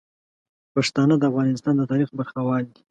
پښتانه د افغانستان د تاریخ برخوال دي.